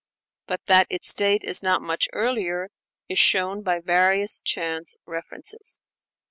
But that its date is not much earlier is shown by various chance references.